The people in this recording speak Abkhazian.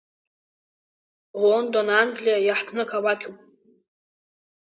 Лондон Англиа иаҳҭнықалақьуп.